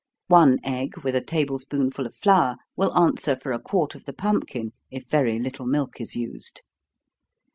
One egg, with a table spoonful of flour, will answer for a quart of the pumpkin, if very little milk is used.